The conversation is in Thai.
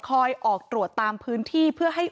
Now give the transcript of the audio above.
ออกตรวจตามพื้นที่เพื่อให้